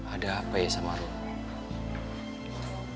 ada apa ya sama rum